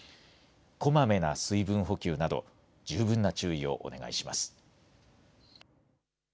こまめな水分補給など、十分な注意をお願いします。